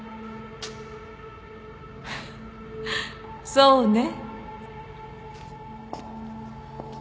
そうね。